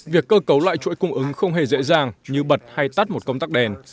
việc cơ cấu lại chuỗi cung ứng không hề dễ dàng như bật hay tắt một công tắc đèn